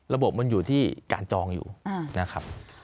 ระบบมันอยู่ที่การจองอยู่นะครับ